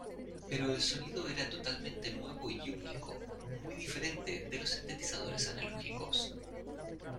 Pero el sonido era totalmente nuevo y único, muy diferente de los sintetizadores analógicos.